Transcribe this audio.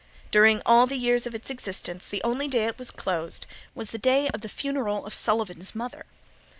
During all the years of its existence the only day it was closed was the day of the funeral of Sullivan's mother.